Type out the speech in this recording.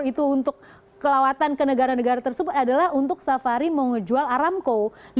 itu untuk kelewatan ke negara negara tersebut adalah untuk safari mau ngejual aramco